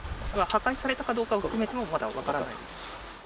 破壊されたかどうかを含めても、まだ分からないです。